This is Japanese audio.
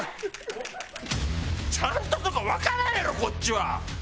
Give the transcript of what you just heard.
「ちゃんと」とかわからんやろこっちは。